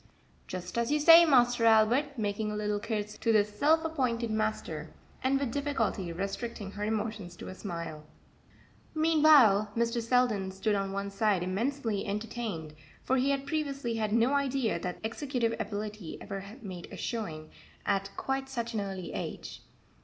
"Just as you say, Master Albert," making a little curtsey to this self appointed master, and with difficulty restricting her emotions to a smile. Meanwhile, Mr. Selden stood on one side immensely entertained, for he had previously had no idea that executive ability ever made a showing at quite such an early age.